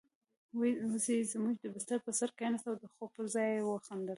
وزې زموږ د بستر پر سر کېناسته او د خوب پر ځای يې وخندل.